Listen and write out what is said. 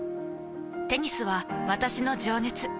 テニスは私の情熱。